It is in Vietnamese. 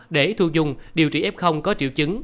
để thu dung điều trị f có triệu chứng